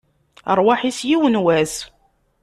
Rrwaḥ-is, yiwen n wass!